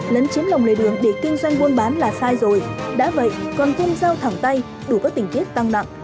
lấn chiếm lòng lề đường để kinh doanh buôn bán là sai rồi đã vậy còn cung dao thẳng tay đủ các tình tiết tăng nặng